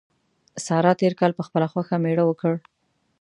سارا تېر کال په خپله خوښه مېړه وکړ.